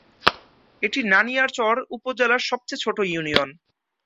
এটি নানিয়ারচর উপজেলার সবচেয়ে ছোট ইউনিয়ন।